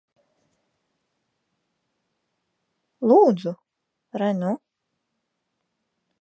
Lūdzu. Re nu.